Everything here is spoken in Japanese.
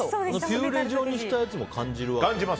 ピューレ状にしたのも感じる？